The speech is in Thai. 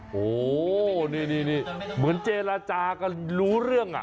โอ้โหนี่เหมือนเจรจากันรู้เรื่องอ่ะ